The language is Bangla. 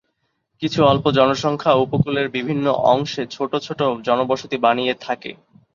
কিছু অল্প জনসংখ্যা উপকূলের বিভিন্ন অংশে ছোটো ছোটো জনবসতি বানিয়ে থাকে।